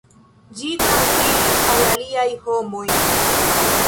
Ĝi transiris al aliaj homoj.